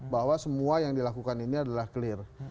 bahwa semua yang dilakukan ini adalah clear